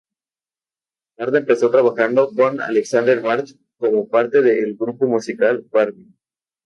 Barda empezó trabajando con Alexander Bard como parte del grupo musical "Barbie".